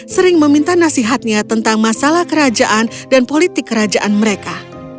sering meminta nasihatnya tentang masalah kerajaan dan politik kerajaan mereka